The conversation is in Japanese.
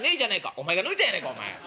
「お前が抜いたんやないかお前。